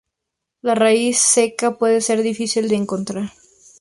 La raíz seca puede ser difícil de encontrar.